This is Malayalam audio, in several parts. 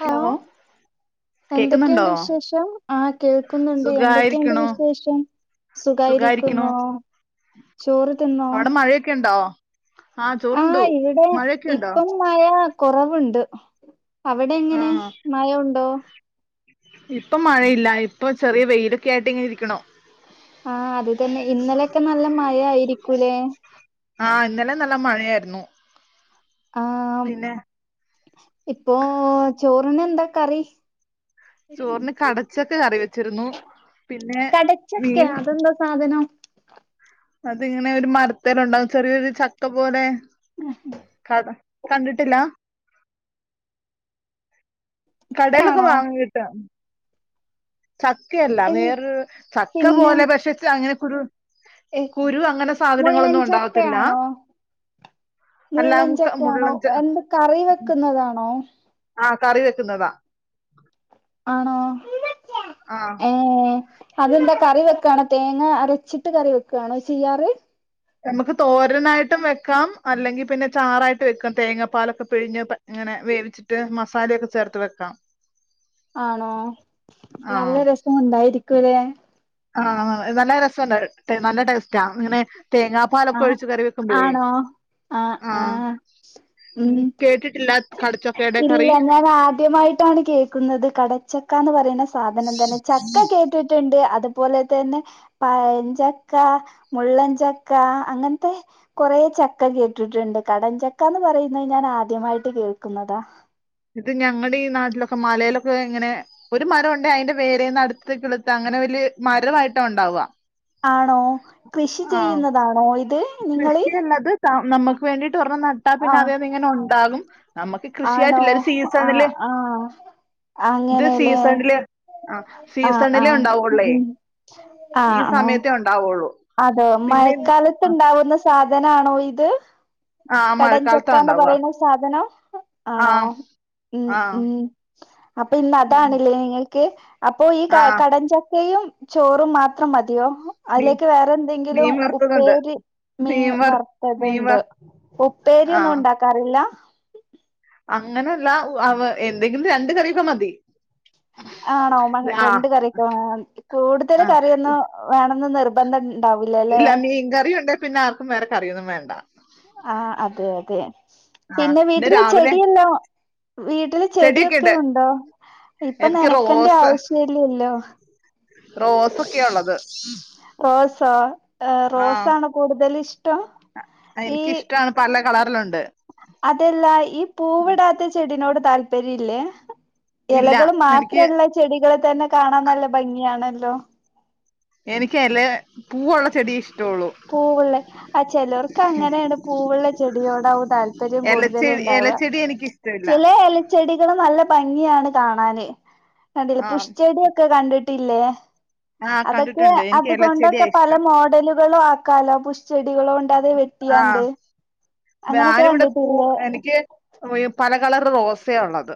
ഹലോ. കേക്കുന്നുണ്ടോ എന്തെക്കെയുണ്ട് വിശേഷം? ആഹ് കേൾക്കുന്നുണ്ട്. എന്തെക്കെണ്ട് സുഖായിരിക്കണു വിശേഷം? സുഖായിരിക്കുന്നോ? ചോറ് തിന്നോ അവ്ടെ മഴയൊക്കെണ്ടോ ആ ചോറുണ്ടു. മഴയൊക്കെണ്ടോ? മയാ കൊറവ്ണ്ട്. അവിടെ എങ്ങനെ, ആഹ് മയ ഉണ്ടോ? ഇപ്പ മഴയില്ല. ഇപ്പ ചെറ്യെ വെയിലൊക്കെ ആയിട്ടിങ്ങനിരിക്കിണു. ആഹ് അത് തന്നെ. ഇന്നലെയൊക്ക നല്ല മയായിരിക്കൂലെ? ആഹ് ഇന്നലെ നല്ല മഴയായിര്ന്നു. ആഹ് ഇപ്പോ, ചോറിനെന്താ കറി? ചോറിന് കടച്ചക്ക കറി വെച്ചിര്ന്നു. പിന്നെ കടച്ചക്ക മീൻ അതെന്താ സാധനം അതിങ്ങനെ ഒരു മരത്തേല് ഇണ്ടാവും. ചെറ്യൊരു ചക്ക പോലെ. ഉം കട, കണ്ടിട്ടില്ലാ? കടേലൊക്കെ ആണോ വാങ്ങാൻ കിട്ടും. ചക്കയല്ല എ വേറൊരു, ചക്ക പിന്നെ പോലെ പക്ഷെ അങ്ങനെക്കൊരു കുരു അങ്ങനെ സാധനങ്ങളൊന്നും ഉണ്ടാവത്തില്ലാ. മുള്ളൻചക്കയാണോ മുള്ളഞ്ചക്ക ആണോ? എന്ത് കറി വെക്ക്ന്നതാണോ? ആഹ് കറി വെക്ക്ന്നതാ. ആണോ? ആഹ്. ഏഹ്. അതെന്താ കറി വെക്കാണോ തേങ്ങ അരച്ചിട്ട് കറി വെക്ക്വാണോ ചെയ്യാറ്? നമ്മക്ക് തോരനായിട്ടും വെക്കാം അല്ലെങ്കി പിന്നെ ചാറായിട്ട് വെക്കാം തേങ്ങാപ്പാലൊക്കെ പിഴിഞ്ഞ് പ ഇങ്ങനെ വേവിച്ചിട്ട് മസാലയൊക്കെ ചേർത്ത് വെക്കാം. ആണോ? ആ നല്ല രസമുണ്ടായിരിക്കൂല്ലേ? ആഹ് നല്ല രസംണ്ട്. നല്ല ടേസ്റ്റാ. ഇങ്ങനെ തേങ്ങാ പാലൊക്കെ ഒഴിച്ച് കറി വെക്കുമ്പഴേ. ആഹ് ആഹ്. ഉം. കേട്ടിട്ടില്ല കടച്ചൊക്കയുടെ കറി ഇല്ല ഞാൻ ആദ്യമായിട്ടാണ് കേക്കുന്നത് കട ചക്ക എന്ന് പറയണ സാധനം തന്നെ. ചക്ക കേട്ടിട്ട് ട്ട്ണ്ട്. അതുപോലെ തന്നെ പഴഞ്ചക്ക മുള്ളൻചക് ക്ക. അങ്ങൻത്തെ കൊറേ ചക്ക കേട്ടിട്ട്ണ്ട്. കടൻ ചക്കാന്ന് പറയ്ന്നത് ഞാൻ ആദ്യമായിട്ട് കേക്ക്ന്നതാ. ഇത് ഞങ്ങടെ ഈ നാട്ടിലൊക്കെ മലേലൊക്കെ ഇങ്ങനെ ഒരു മരം ഉണ്ടേ അതിന്റെ വേരേന്ന് അട്ത്തതേ ക്ള്ത്ത് അങ്ങനെ വലിയ മരവായിട്ടാ ഉണ്ടാവുവാ. ആണോ? കൃഷി ചെയ്യുന്നതാണോ ഇത്? നിങ്ങള് കൃഷിയല്ല ഇത്. നമ്മുക്ക് വേണ്ടിട്ട് ഒരെണ്ണം നട്ടാ പിന്നെ ആഹ് അതേന്ന് ഇങ്ങനെ ഉണ്ടാകും. നമ്മുക്ക് ആണോ കൃഷിയായിട്ടില്ല. ഇത് ആഹ് സീസണില്, ആഹ് ഇത് അങ്ങനെല്ലേ സീസണില് ആ ആഹ് സീസണിലേ ആഹ് ഉണ്ടാവുള്ളേ. ഉം ഈ ആണോ സമയത്തേ ഉണ്ടാവുള്ളൂ. അതോ പിന്നെ ഇത്- മഴക്കാലത്ത് ആ ഉണ്ടാവുന്ന സാധന ആണോ ഇത് ആ, മഴക്കാലത്താ കടചക്കന്ന് ഉണ്ടാവുക പറയുന്ന സാധനം. ആണോ ആഹ് ഉം. ആഹ് ഉം. അപ്പൊ ഇന്ന് ഉം അതാണല്ലേ നിങ്ങൾ ക്ക്. അപ്പൊ ഈ ആഹ് കടചക്കയും ചോറും മാത്രം മതിയോ. മീൻ അതിലേക്ക് വേറെ എന്തെങ്കിലും മീൻ വറുത്തതുണ്ട് ഉപ്പേരി മീൻ വർ മീൻ വറത്തത്ണ്ട്. വർ ഉപ്പേരി ഒന്നും ഉണ്ടാക്കാറില്ല അങ്ങനെയല്ല അവ എന്തെങ്കിലും രണ്ട് കറിയൊക്കെ മതി ആണോമ ആഹ് രണ്ട കറിക്കെ കൂടുതൽ ആഹ് കറിയൊന്ന വേണന്ന് നിർ ബന്ധം ഉണ്ടാവില്ലല്ലേ മീൻ കറി ഉണ്ട് പിന്നെ ആർക്കും വേറെ ക്കറിയൊന്നും വേണ്ട ആഹ അതെ അതെ ആഹ് പിന്നെ രാവിലെ വീട്ടില്ചെടിയെല്ലോ വീട്ടില ചെടിയൊക്കെ ഉണ്ടോ. ഇപ്പ എനിക്ക് നനക്കേണ്ട റോസ് ആവശ്യല്ലല്ലോ. റോസൊക്കെയ ഉള്ളത്. റോസാ. റോസാണ് കൂടുതല ഇഷ്ടം എനിക്കിഷ്ടമാണ്. പല കളറിലുണ്ട്. അതെല്ല. ഈ പൂവിടാത്ത ചെടിനോട് താല്പര്യം ഇല്ലേ. ഇല്ല ഇലകൾ എനിക്ക് മാത്രൊള്ള ചെടികളെ തന്നെ കാണാൻ നല്ല ഭംഗിയാണല്ലോ. എനിക്ക് ഇല പൂവള്ള ചെടി ഇഷ്ടള്ളു. പൂവുള്ളേ ആ ചിലർക്ക് അങ്ങനെയാണ് പൂവുള്ള ചെടിയോടാവും താല്പര്യം കൂടുതൽ ഉണ്ടാവുക ഇഷ്ട ഇല്ല ചെടികളും നല്ല ഭംഗിയാണ് കാണാന്. കണ്ടില്ല ആഹ് ബുഷച്ചെടിയൊക്കെ കണ്ടിട്ടില്ലേ. ആഹ് അതൊക്കെ കണ്ടിട്ടുണ്ട് എനിക്ക് എലച്ചെടിയാ അതുകൊണ്ടൊക്കെ പല ഇഷ്ടം മോഡലുകളും ആക്കാലോ പു ചെടികളോണ്ട്. അത ആഹ് വെട്ടിയാണ്ട് അങ്ങനെയൊക്കെ ഞാനിവിടെ പൂ കണ്ടിട്ടല്ലോ എനിക്ക് പല കളർ റോസേഉള്ളത്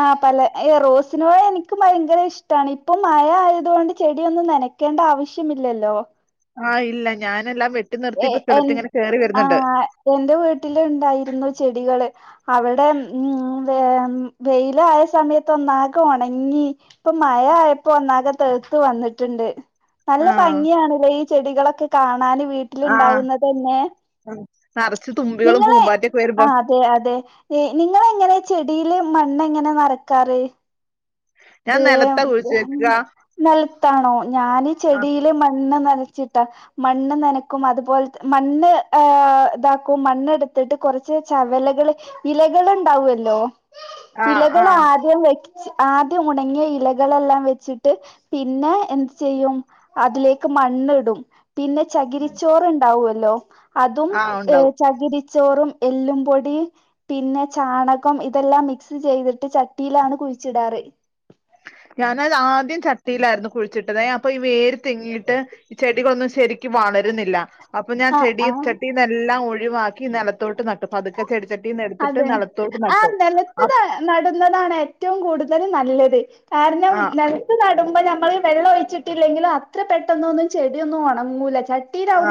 ആഹ് പല റോസിനോട് എനിക്കും ഭയങ്കര ഇഷ്ടാണ് ഇപ്പൊ മഴ ആയതോണ്ട് ചെടിയൊന്നും നന ക്കേണ്ട ആവശ്യമില്ലല്ലോ ആഹ് ഇല്ല ഞാനെല്ലാം വെട്ടി നിർത്തി എ ഇപ്പകിളിത്ത്ങ്ങനെ കേറിവര്ന്ന്ണ്ട് ആഹ് എന്റെ വീട്ടിലുണ്ടായിരുന്നു ചെടികള് അവിടെ ഉം വെയിലായ സമയത്ത് ഒന്നാകെ ഒണങ്ങി ഇപ്പൊ മഴായപ്പൊ ഒന്നാകെ തെയ്ത്ത് വന്നിട്ട്ണ്ട് നല്ല ആഹ് ഭംഗിയാണ്ലെ ഈ ചെടികളൊക്കെ കാണാന് വീ ആഹ് ട്ട്ല്ണ്ടാവുന്നതന്നെ നറച്ച് തുമ്പികളും നിങ്ങളെ പൂമ്പാറ്റൊക്കെ ആ വരുമ്പോ അതെ നിങ്ങെളെങ്ങനെ ചെടീല് മണ്ണെങ്ങനെ നിറക്കാറ് ഞാൻ നിലത്താ കുഴിച്ച് ഏഹ് വെക്കുക നെൽത്താണോ ഞാന് ആഹ് ചെടിയില് മണ്ണ്നെറച്ചിട്ടാ മണ്ണ് നനക്കും അത്പോലെ മണ്ണ് ഇതാക്കും മണ്ണെടുത്തിട്ട് കുറച്ച് ചവലകള് ഇലകള്ണ്ടാവല്ലോ ആഹ് ഇലകള് ആഹ് ആദ്യംവെച്ച് ആ ത്ത് ഉണങ്ങിയ ഇലകളെല്ലാംവെച്ചിട്ട് പിന്നെ എന്ത്ചെയ്യും അതിലേക്ക്മണ്ണ്ടും പിന്നെ ചകിരിച്ചോറ്ണ്ടാവല്ലോ അതും ആഹ് ഉണ്ടാവും ഏഹ് ചകിരിച്ചോറും എല്ലും പൊടി പിന്നെ ചാണകം ഇതെല്ലാം മിക്സ്ചെയ്തിട്ട് ചട്ടിയിലാണ് കുഴിച്ചിടാറ് ഞാനത് ആദ്യം ചട്ടയിലായിരുന്നു കുഴിച്ചിട്ടത്. അപ്പൊഈ വേര് തെങ്ങീട്ട് ചെടികളൊന്നും ശരിക്കും വളരുന്നില്ല അപ്പൊ ഞാൻ ആഹ് ചെടി ആഹ് ചട്ടി നെല്ലാം ഒഴിവാക്കി നെലത്തോട്ട് നട്ടു പതുക്കെ അതെ ചെടിച്ചട്ടിന്ന്എടുത്തിട്ട്നലത്തോട്ട് ആഹ് നട്ടു നിലത്ത് അ ന- നടുന്നതാണ് ഏറ്റവും കൂടുതല്നല്ലത് കാര്ണം ആഹ് ത് നടുമ്പനമ്മള് വെള്ളഒഴിച്ചിട്ടില്ലെങ്കിലും അത്ര പെട്ടെന്നൊന്നും ചെടിയൊന്നും ഒണങ്ങൂല ച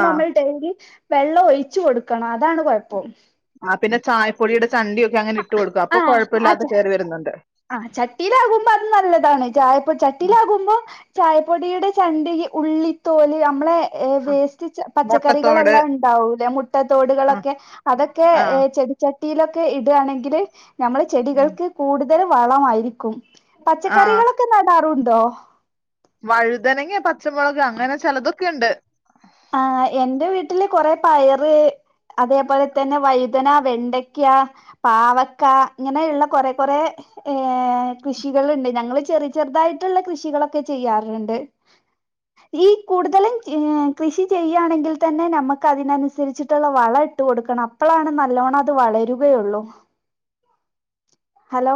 ആഹ് ഡെയിലി വെള്ളം ഒഴിച്ച്കൊടുക്കണം അതാണ് കൊഴപ്പം ആ പിന്നെ ചായപ്പൊടിയുടെ ചണ്ടിയൊക്കെ അങ്ങനെ ഇട്ട് കൊടുക്കും അപ്പൊ ആഹ് കൊഴപ്പല്ലാതെ കേറി വരുന്നുണ്ട്. ആഹ് ചട്ടീലാകുമ്പോ അത് നല്ലതാണ് ചായപ്പോ ഉം ചട്ടീലാകുമ്പൊ ചായപ്പൊടിയുടെ ചണ്ടി ഉള്ളിത്തോല് അമ്മളെ ഏത്‌ വേസ്റ്റ്ച്ച മൊട്ടത്തോട് പച്ചക്കറികളെല്ലാണ്ടാവൂലേ ആഹ് മുട്ടതോടുകളൊക്കെ അതെക്കെ എ ആഹ് ചെടി ചട്ടീലൊക്കെ ഇടാണെങ്കില് നമ്മള് ഉം ചെടികൾക്ക് കൂടുതൽ വളമായിരിക്കും. ആഹ് പച്ചക്കറികളൊക്കെ നടാറുണ്ടോ വഴുതനങ്ങ പച്ചമുളക് അങ്ങനെ ചിലതൊക്കെ ഉണ്ട് ആഹ് എന്റെ വീട്ടില് കൊറേപയറ് അതേപോലെതന്നെ വൈതനാ വെണ്ടയ്ക്ക പാവക്ക ഇങ്ങനെയുള്ള കൊറെകൊറേ ഏഹ് കൃഷികള്ണ്ട് ഞങ്ങള് ചെറിചെർതായിട്ട്ള്ള കൃഷികളൊക്കെ ചെയ്യാറ്ണ്ട്. ഈ കൂടുതലും ഈഹ് കൃഷി ചെയ്യാണെങ്കിൽതന്നെ നമുക്ക് അതിനനുസരിച്ചിട്ട്ള്ള വളഇട്ട്കൊടുക്കണം അപ്പളാണ് നല്ലോണത് വളരും വേ ഒള്ളൂ ഹലോ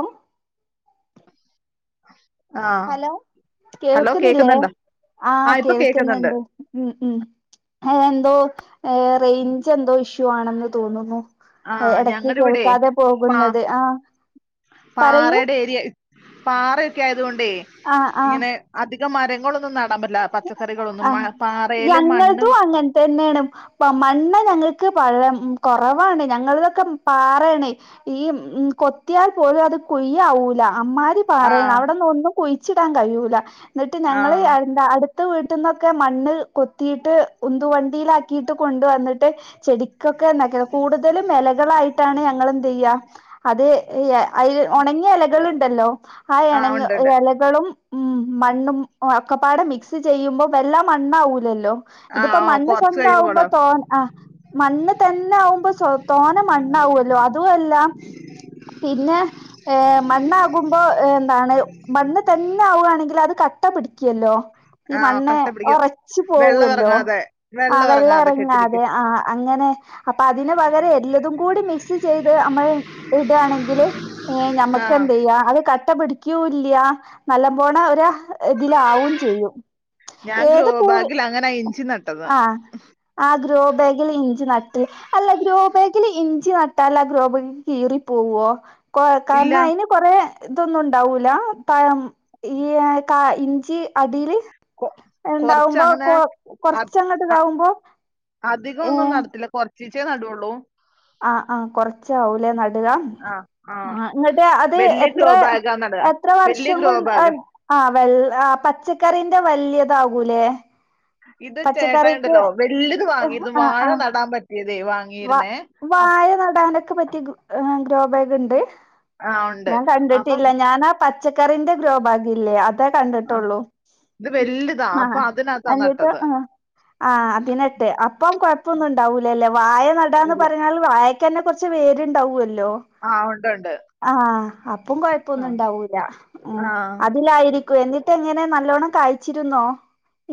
ആഹ് ഹലോ ഹലോ കേൾക്ക്ന്നില്ലേ കേക്കുന്നുണ്ടോ ആ ആഹ് ഇപ്പൊ കേക്കുന്നുണ്ട് കേൾക്ക്‌ന്ന്ണ്ട് ഉം ഉം എന്തോ റൈഞ്ച് എന്തോ ഇഷ്യൂആണെന്ന് തോന്നുന്നു ആഹ് എടക്ക് ഞങ്ങടിവിടെ കേൾക്കാതെ പാ പോകുന്നത് ആ പറയൂ ശരിയാ പാറൊക്കെയായത്കൊണ്ടെ ആഹ് ആഹ് ഇങ്ങനെ അധികംമരങ്ങളൊന്നുംന്നും ന്നന്നല പച്ചക്കറികളൊന്നും മഴ പാറേല് മണ്ണും മൻ സന്നേണം പ്പ മണ്ണ് ഞങ്ങക്ക് പഴ കുറവാണ് ഞങ്ങൾതൊക്കെ പാറേണ് ഈ മ് കൊത്തിയാൽ പോലും അത് കുയ്യാവൂല അമ്മാരി പാറേണ് ആഹ് അവിടന്നൊന്നും കുഴിച്ചിടാൻകഴിയൂല ന്നട്ട്ഞങ്ങള് ആഹ് അ ന്ത അടുത്ത വീട്ടിൽന്നൊക്കെ മണ്ണ് കൊത്തിയിട്ട് ഉന്തുവണ്ടിയിലാക്കിട്ട് കൊണ്ട് വന്നിട്ട് ചെടിക്കൊക്കെ നെ കെ കൂടുതലു എലകളായിട്ടാണ് ഞങ്ങൾ എന്ത് യ്യ അത് ഇല അതിൽ ഉണങ്ങിയ ഇലകളുണ്ടല്ലോ ആ ആഹ് ഉണ്ട്ണ്ട് എണകളും ഇലകളും ഉം മണ്ണും ഒക്കപ്പാടം മിക്സ് ചെയ്യുമ്പോ വെല്ല മണ്ണാവൂലല്ലോ ഇതിപ്പോ ആഹ് മണ്ണ് കൊറച്ച് സ്വന്ത ആവുമ്പോ കഴിയുമ്പളോ തോ ആ മണ്ണ് തന്നെ ആകുമ്പോ സോതോനെ മണ്ണാവുല്ലോ അതുംമല്ല പിന്നെ ഏ മണ്ണാകുമ്പോ എന്താണ് മണ്ണ് തന്നെ ആവുകയാണെങ്കിൽ അത് കട്ട പിടി ക്യല്ലോ ഈ ആഹ് മണ്ണ് കട്ട പിടിക്കും ഉറച്ചു വെള്ളം പോവല്ലോ എറങ്ങാതെ ആ വെള്ളം എറങ്ങാതെ കെട്ടി ഇറങ്ങാതെ നിക്കും ആ അങ്ങനെ അപ്പൊ അതിന് പകരം എല്ലതും കൂടി മിക്സ് ചെയ്ത് നമ്മൾ ഇടുകയാണെങ്കില് ഏ ഞമ്മക്ക് ആഹ് എന്ത് യ്യാ അത് കട്ട പിടിക്കൂല്ല നല്ല പോലെ അവര് അ ഇതിലാവും ചെയ്യും ഞാൻ ഗ്രോ ഏത് പൂവി ബാഗിൽ അങ്ങനാ ഇഞ്ചി നട്ടത് ആ ആ ഗ്രോ ബാഗില് ഇഞ്ചി നട്ട് അല്ല ഗ്രോ ബാഗില് ഇഞ്ചി നട്ടാൽ ആ ഗ്രോ ബാഗ് കീറിപോവോ കൊ ഇല്ല കാരണം അതിന് കൊറേ ഇതൊന്നും ഉണ്ടാവൂല പയം ഈ കായ് ഇഞ്ചി അടീല് കൊ കൊറച്ച് ഉണ്ടാവുമ്പോ അങ്ങനെ കൊ അത് കൊറച്ചങ്ങട്ട് അ ഇതാവുമ്പോ അധികം ഒന്നും ഏഹ് നടത്തില്ല കൊറച്ചീച്ചേ നടുള്ളൂ ആഹ് ആ കൊറച്ചാവൂലെ നടുകാം ആഹ് ആഹ് ആ ഇങ്ങട്ട് അത് വല്യ എത്ര ഗ്രോ ബാഗാ നടാ എത്ര വല്യ വർഷം ഗ്രോ കൊണ്ട് ബാഗ ആ വെള്ള ആ പച്ചക്കറിന്റെ വലിയതാകൂല്ലേ ഇത് ചേട്ടായി ഉണ്ടല്ലോ വല്യത് ആഹ് വാങ്ങിയിരുന്നു വാഴ ആഹ് നടാൻ പറ്റിയതേ വാങ്ങി വ വാഴ നടാനൊക്കെ പറ്റിയ ഗ്രോ ഗ്രോബാഗുണ്ട് ആഹ് ഉണ്ട്. ഞാൻ അപ്പം കണ്ടിട്ടില്ല ഞാനാ പച്ചക്കറിന്റെ ഗ്രോ ഭാഗില്ലേ അതേ ആഹ് കണ്ടിട്ടുള്ളൂ ഇത് വലുതാ. ആ അപ്പൊ അതിനകത്താ എന്നിട്ട് നട്ടത്. ആ ആഹ് അതിനട്ട് അപ്പം കൊഴപ്പൊന്നും ഉണ്ടാവൂലല്ലേ വാഴ നടാന്ന് ഇല്ല. പറഞ്ഞാൽ വായ ക്കെന്നെ കുറച്ച് വേരുണ്ടാവൊല്ലോ ആഹ് ഉണ്ട് ഉണ്ട് ആഹ് അപ്പം കൊഴപ്പൊന്നും ആഹ് ഇണ്ടാവൂല ഉ ആഹ്. അതിലായിരിക്കും എന്നിട്ട് എങ്ങനെ നല്ലോണം കായ്ച്ചിരുന്നോ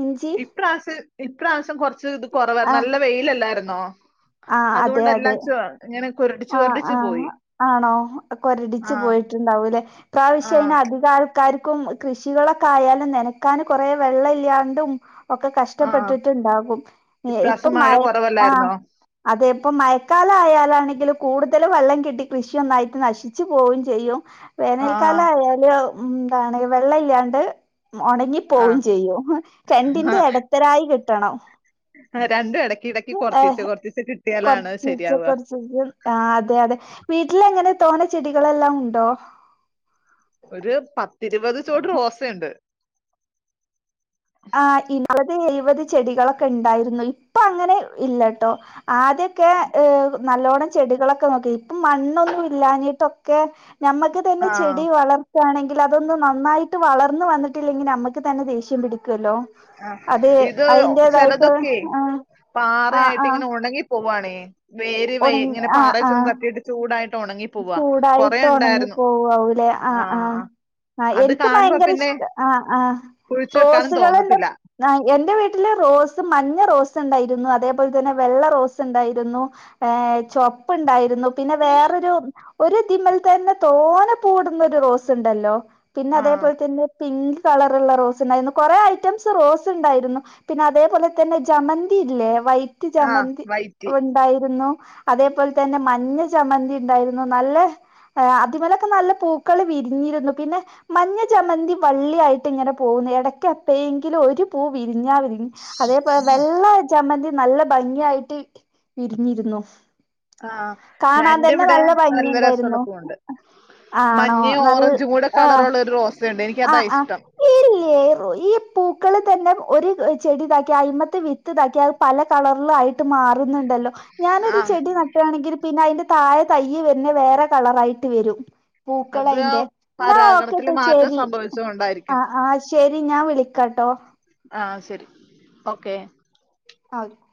ഇഞ്ചി ഇപ്രാവശ്യം ഇപ്രാവശ്യം കൊറച്ച് ഇത് കൊറവായി ആഹ് നല്ല വെയിലല്ലായിരുന്നോ ആഹ് അതെ അതുകൊണ്ടല്ലാ അതെ ഇങ്ങനെ കുരടി ആഹ് ആഹ് ആണോ കൊരടിച്ചു ആഹ് പോയിട്ടുണ്ടാവൂലേ ഇ പ്രാവശ്യം അയ്ന് ആഹ് അധികാൾ ക്കാർക്കും കൃഷികളൊക്കെ ആയാലും നനക്കാന് കൊറേ വെള്ളം ഇല്ലാണ്ടും ഒക്കെ ആഹ്. കഷ്ടപ്പെട്ടിട്ടുണ്ടാകും ഇപ്പം ഇപ്രാവശ്യം മഴ ആഹ് കൊറവല്ലായിരുന്നോ? അതെ ഇപ്പ മഴക്കാലം ആയാലാണെങ്കിലും കൂടുതല് വെള്ളം കിട്ടി കൃഷിഒന്നായിടട്ട് നശിച്ചു പോവും ചെയ്യും വേനൽക്കാല ആഹ് ആയാല് ഇന്താണ് വെള്ളം ഇല്ലാണ്ട് ഉണങ്ങി ആഹ്. പോവും ചെയ്യും രണ്ടിന്റെ ഇടത്തരായി കിട്ടണം രണ്ടും ഇടയ്ക് ഇടക്ക് കൊറച്ചീചെ കൊറച്ചീച്ച് കിട്ടിയാലാണ് ശരിയാവുക ചെയ്യും ആ അതെ അതെ വീട്ടില എങ്ങനെ തോനെ ചെടികളെല്ലാം ഉണ്ടോ ഒരു പത്തിരുപത് ചോട് റോസയുണ്ട് ആഹ് ഇന്റേത് ഇരൂപത് ചെടികളൊക്കെ ഉണ്ടായിരുന്നു ഇപ്പൊ അങ്ങനെ ഇല്ലട്ടോ ആദ്യം ക്കെ നല്ലോണം ചെടികളൊക്കെ നോക്കി ഇപ്പം മണ്ണൊന്നും ഇല്ലഞ്ഞിട്ടൊക്കെ ഞമ്മക്ക് തന്നെ ആഹ്. ചെടി വളർ ആണെങ്കിൽ അതൊന്ന നന്നായിട്ട് വളർന്ന് വന്നിട്ടില്ലെങ്കിൽ നമ്മുക്ക് തന്നെ ദേഷ്യം പിടിക്കും ല്ലോ ആഹ് അത് അതിന്റതായിട്ട് ആ പാറ ആ ആയിട്ട് ആ ഇങ്ങനെ ഉണങ്ങി പോവാണേ വേര് വ ഉണങ്ങി ഇങ്ങനെ ആ പാറ ആ ചെന്ന് തട്ടീട്ട് ചൂടായിട്ട് ഉണങ്ങി ഉണ്ടായിരുന്നു പോവാവുലേ ആഹ് ആഹ് ആ അത് എനിക്ക് കാണുമ്പോ ഭയങ്കര പിന്നെ ഇഷ്ടം ആ ആ കുഴിച്ചു വെക്കാനും റോസുകളെന്നെ തോന്നത്തില്ല ആഹ് എന്റെ വീട്ടില് റോസ് മഞ്ഞ റോസ് ഉണ്ടായിരുന്നു അതേപോൽതന്നെ വെള്ള റോസ് ഉണ്ടായിരുന്നു ഏഹ് ചൊവപ്പുണ്ടായിരുന്നു പിന്നെ വേറൊരു ഒരുതിമൽതന്നെ തോനെ പൂവ്ടുന്നൊരു റോസ് ഉണ്ടല്ലോ പിന്നെ ആഹ് അതേപോൽ തന്നെ പിങ്ക് കളറള്ള റോസ് ഉണ്ടായിരുന്നു കൊറെ ഐറ്റംസ് റോസ് ഉണ്ടായിരുന്നു പിന്നെ അതേപോലെ തന്നെ ജമന്തില്ലേ വൈ റ്റ് ആഹ് ജമന്തി വൈറ്റി ഉണ്ടായിരുന്നു അതേപോൽതന്നെ മഞ്ഞ ജമന്തി ഉണ്ടായിരുന്നു നല്ല അതിമലൊക്കെ നല്ല പൂക്കൾ വിരിഞ്ഞിരുന്നു പിന്നെ മഞ്ഞ ജമന്തി വള്ളിയായിട്ട് ഇങ്ങനെ പോകുന്നു. ഇടയ്ക്ക എപ്പയെങ്കിലും ഒരു പൂ വിരിഞ്ഞാവിരിഞ് അതേപോലെ വെള്ള ജമ്ന്തി നല്ല ഭംഗിയായിട്ട് വിരിഞ്ഞിരുന്നു. ആഹ് കാണാൻ രണ്ട് തന്നെ ഇവിടെ നല്ല രസൊള്ള ഭംഗിയുണ്ടായിരുന്നു പൂവ്ണ്ട്. ആണോ മഞ്ഞയും നൽ ഓറഞ്ചും കൂടെ ആഹ് കളറൊള്ള ഒരു റോസ. ആഹ് ആഹ് ഇല്ലേ [unintelligible] ഈ പൂക്കളിൽ തന്നെ ഒരു ചെടി ഇതാക്കി അയിമത്തെ വിത്ത് ഇതാക്കി അത് പല കളറിലായിട്ട് മാറുന്നുണ്ടല്ലോ ഞാനൊരു ആഹ് ചെടി നട്ട് ആണെങ്കിൽ പിന്നെ അതിന്റെ താഴെ തയ്യ് തന്നെ വേറെ കളറായിട്ട് വരും. അത് ആ പൂക്കളയിന്റെ എന്നാ പരാഗണത്തില് ഓക്കെട്ടാ മാറ്റം ശെരി. സംഭവിച്ചത് കൊണ്ടായിരിക്കും ആഹ് ആഹ് ശെരി. ഞാൻ വിളിക്കാട്ടോ. ആഹ് ശെരി. ഓക്കെ. ഓക്കേ